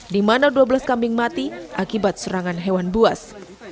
di mana dua belas kambing mati akibat serangan hewan buas